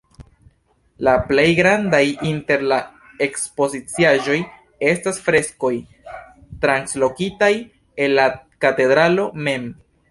La plej grandaj inter la ekspoziciaĵoj estas freskoj, translokitaj el la katedralo mem.